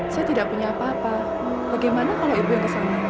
saya tidak punya apa apa bagaimana kalau ibu yang ke sana